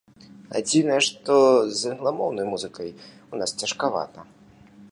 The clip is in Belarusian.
Адзінае, што з англамоўнай музыкай у нас цяжкавата.